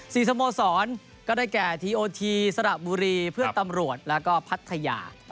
สโมสรก็ได้แก่ทีโอทีสระบุรีเพื่อนตำรวจแล้วก็พัทยา